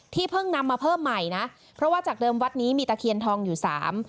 เพิ่งนำมาเพิ่มใหม่นะเพราะว่าจากเดิมวัดนี้มีตะเคียนทองอยู่สาม